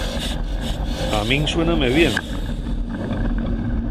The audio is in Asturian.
A min suéname bien.